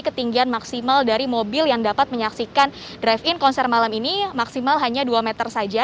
ketinggian maksimal dari mobil yang dapat menyaksikan drive in konser malam ini maksimal hanya dua meter saja